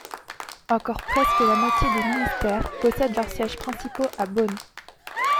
Encore presque la moitié des ministères possèdent leurs sièges principaux à Bonn.